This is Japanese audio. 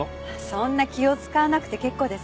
そんな気を使わなくて結構です。